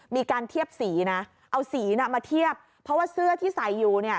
มีการเทียบสีนะเอาสีน่ะมาเทียบเพราะว่าเสื้อที่ใส่อยู่เนี่ย